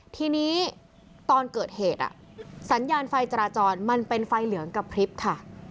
ทีนี้ตอนเกิดเหตุสัญญาณไฟจราจรมันเป็นไฟเหลืองกระพริบค่ะ